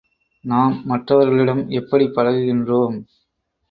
நாம் மற்றவர்களிடம் எப்படிப் பழகுகின்றோம்?